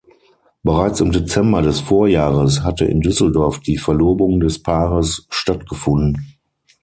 Bereits im Dezember des Vorjahres hatte in Düsseldorf die Verlobung des Paares stattgefunden.